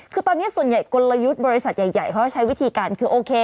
คือตอนนี้ส่วนใหญ่กลยุทธ์บริษัทใหญ่เขาจะใช้วิธีการคือโอเค